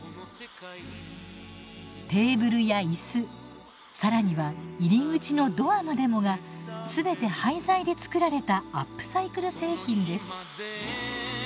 テーブルや椅子更には入り口のドアまでもが全て廃材で作られたアップサイクル製品です。